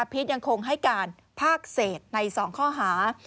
พีชยังคงให้การภาคเศษใน๒ข้อหา